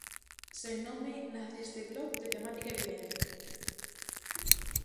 Sen nome nace este blog de temática evidente.